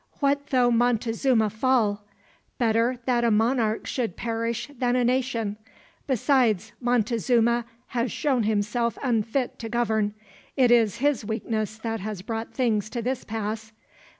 What though Montezuma fall? Better that a monarch should perish than a nation. Besides, Montezuma has shown himself unfit to govern. It is his weakness that has brought things to this pass.